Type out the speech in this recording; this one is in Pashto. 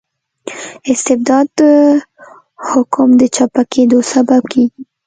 استبداد د حکوم د چپه کیدو سبب کيږي.